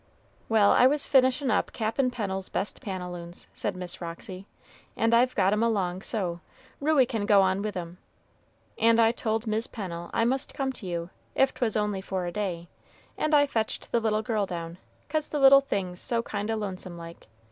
"Well, I was finishin' up Cap'n Pennel's best pantaloons," said Miss Roxy; "and I've got 'em along so, Ruey can go on with 'em; and I told Mis' Pennel I must come to you, if 'twas only for a day; and I fetched the little girl down, 'cause the little thing's so kind o' lonesome like.